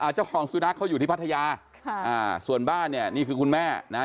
เจ้าของสุนัขเขาอยู่ที่พัทยาส่วนบ้านเนี่ยนี่คือคุณแม่นะ